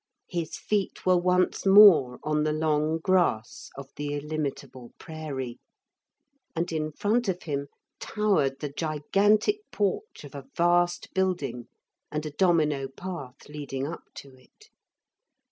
His feet were once more on the long grass of the illimitable prairie. And in front of him towered the gigantic porch of a vast building and a domino path leading up to it.